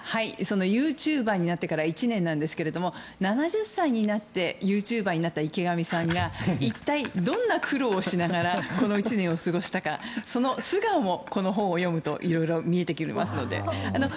ユーチューバーになって１年なんですが、７０歳になってユーチューバーになった池上さんが一体どんな苦労をしながらこの１年を過ごしたかその素顔も、この本を読むといろいろ見えてきます。